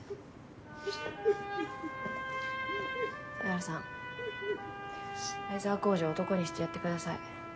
犀原さん愛沢浩司を男にしてやってください